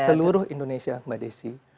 seluruh indonesia mbak desy